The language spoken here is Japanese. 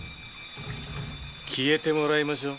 消えてもらいましょう。